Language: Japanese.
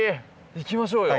行きましょうよ。